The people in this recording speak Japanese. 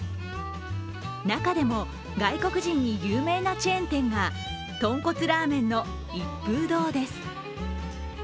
中でも、外国人に有名なチェーン店が豚骨ラーメンの一風堂です。